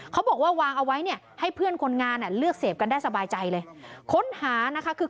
เขาบอกว่าวางเอาไว้ให้เพื่อนคนงานเลือกเศพกันได้สบายใจเลย